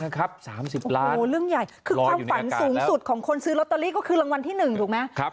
เรื่องใหญ่คือความฝันสูงสุดของคนซื้อลอตเตอรี่ก็คือรางวัลที่๑ถูกไหม